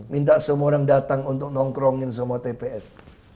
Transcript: minta semua orang datang untuk nongkrongin semua tps